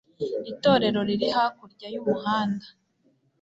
Itorero riri hakurya yumuhanda.